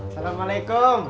saya ingin bekerja